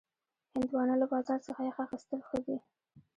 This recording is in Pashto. هندوانه له بازار نه یخ اخیستل ښه دي.